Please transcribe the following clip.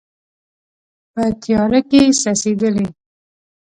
په تیاره کې څڅیدلې